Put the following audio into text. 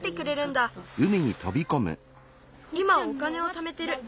いまお金をためてる。